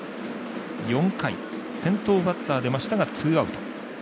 ４回、先頭バッター出ましたがツーアウト。